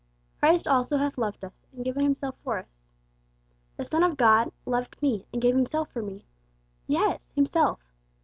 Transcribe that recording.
'Christ also hath loved us, and given Himself for us.' 'The Son of God ... loved me, and gave Himself for me.' Yes, Himself!